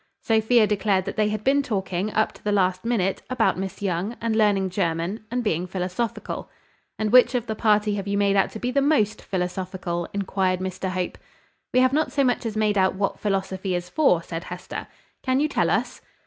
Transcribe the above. Sophia declared that they had been talking, up to the last minute, about Miss Young, and learning German, and being philosophical. "And which of the party have you made out to be the most philosophical?" inquired Mr Hope. "We have not so much as made out what philosophy is for," said Hester; "can you tell us?"